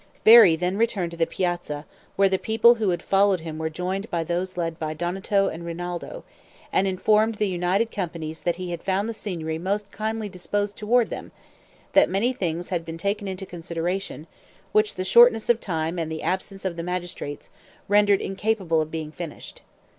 Veri then returned to the piazza, where the people who had followed him were joined by those led by Donato and Rinaldo, and informed the united companies that he had found the Signory most kindly disposed toward them; that many things had been taken into consideration, which the shortness of time, and the absence of the magistrates, rendered incapable of being finished.